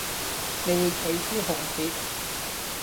你會取消紅帖